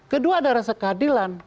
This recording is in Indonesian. kedua ada rasa keadilan